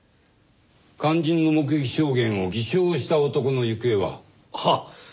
肝心の目撃証言を偽証した男の行方は？はっ。